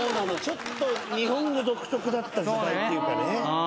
ちょっと日本語独特だった時代っていうかね。